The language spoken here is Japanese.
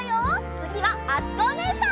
つぎはあつこおねえさん。